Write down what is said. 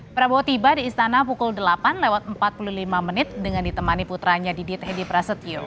prabowo tiba di istana pukul delapan lewat empat puluh lima menit dengan ditemani putranya didit hedi prasetyo